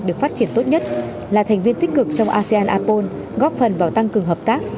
được phát triển tốt nhất là thành viên tích cực trong asean apol góp phần vào tăng cường hợp tác